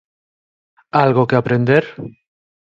Algo que aprender?